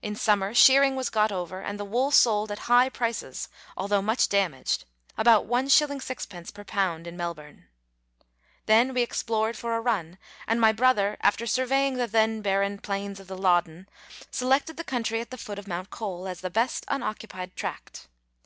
In summer, shearing was got over, and the wool sold at high prices, although much damaged (about Is. 6d. per pound in Mel bourne). Then we explored for a run, and my brother, after surveying the then barren plains of the Loddon, selected the country at the foot of Mount Cole, as the best unoccupied tract.